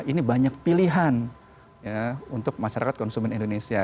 ini banyak pilihan untuk masyarakat konsumen indonesia